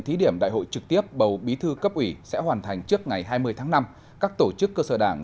thí điểm đại hội trực tiếp bầu bí thư cấp ủy sẽ hoàn thành trước ngày hai mươi tháng năm các tổ chức cơ sở đảng